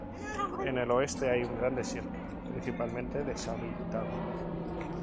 En el Oeste hay un gran desierto, principalmente deshabitado.